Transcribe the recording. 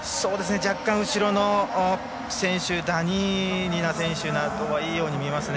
若干後ろの選手ダニーリナ選手などがいいように見えますね。